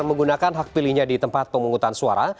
menggunakan hak pilihnya di tempat pemungutan suara